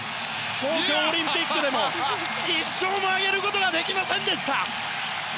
東京オリンピックでも１勝も挙げることはできませんでした。